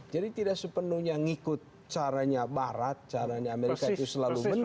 jadi tidak sepenuhnya ngikut caranya barat caranya amerika itu selalu benar